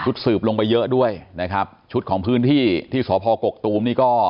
สืบลงไปเยอะด้วยนะครับชุดของพื้นที่ที่สพกกตูมนี่ก็